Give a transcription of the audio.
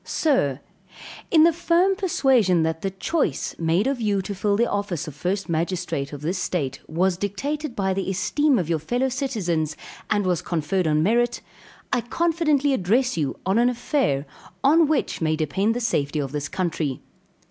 Sir In the firm persuasion that the choice made of you to fill the office of first magistrate of this state, was dictated by the esteem of your fellow citizens, and was conferred on merit, I confidently address you on an affair on which may depend the safety of this country.